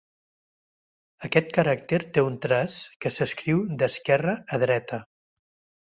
Aquest caràcter té un traç que s'escriu d'esquerra a dreta.